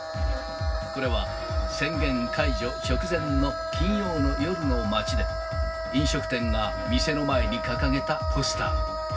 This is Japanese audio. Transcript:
これは宣言解除直前の金曜の夜の街で、飲食店が店の前に掲げたポスター。